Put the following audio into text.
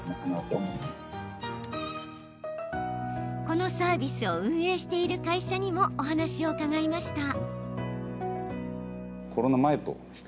このサービスを運営している会社にもお話を伺いました。